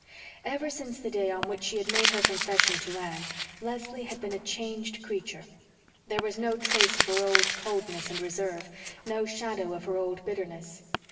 Ever since the day on which she had made her confession to Anne Leslie had been a changed creature. There was no trace of her old coldness and reserve, no shadow of her old bitterness.